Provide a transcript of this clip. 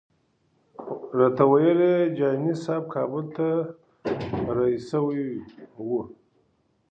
راته ویې ویل جهاني صاحب کابل ته رهي شوی.